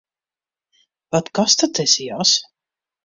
Wat kostet dizze jas?